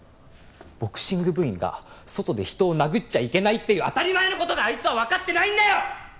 ボクシング部員が外で人を殴っちゃいけないっていう当たり前の事があいつはわかってないんだよ！